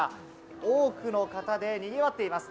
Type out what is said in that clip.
多くの方でにぎわっています。